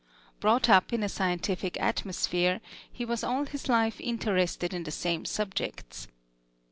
Brought up in a scientific atmosphere, he was all his life interested in the same subjects.